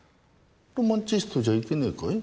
ロマンチストじゃいけねえかい？